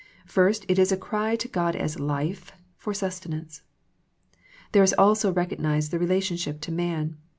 First, it is a cry to God as " Life " for sustenance. There is also recognized the relationship to man.